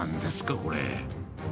これ。